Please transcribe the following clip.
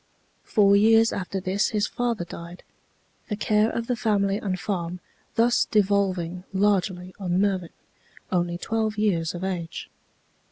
Four years after this his father died, the care of the family and farm thus devolving largely on Mervin, only twelve years of age.